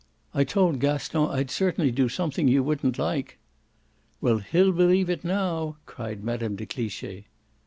"I told Gaston I'd certainly do something you wouldn't like." "Well, he'll believe it now!" cried Mme. de Cliche.